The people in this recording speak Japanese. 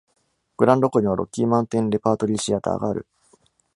グランド湖にはロッキーマウンテン・レパートリーシアターがある。